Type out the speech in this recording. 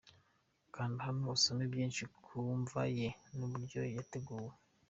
Kanda hano usome byinshi ku mva ye n’uburyo yateguwe.